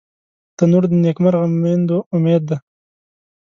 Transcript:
تنور د نیکمرغه میندو امید دی